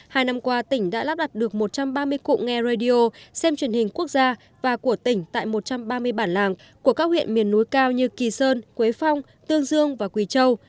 hai năm qua tỉnh đã lắp đặt được một trăm ba mươi cụm nghe radio xem truyền hình quốc gia và của tỉnh tại một trăm ba mươi bản làng của các huyện miền núi cao như kỳ sơn quế phong tương dương và quỳ châu